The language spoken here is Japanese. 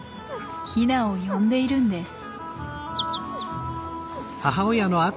ヒナを呼んでいるんです。